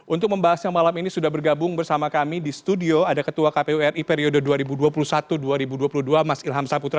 untuk membahasnya malam ini sudah bergabung bersama kami di studio ada ketua kpu ri periode dua ribu dua puluh satu dua ribu dua puluh dua mas ilham saputra